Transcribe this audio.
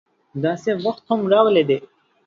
داسې وخت هم راغلی دی.